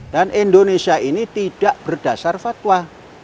indonesia ini tidak berdasar fatwa